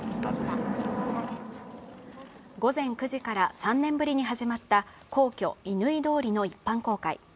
午前９時から３年ぶりに始まった皇居・乾通りの一般公開。